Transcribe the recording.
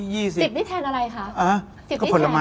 ๑๐นี่แทนอะไรคะ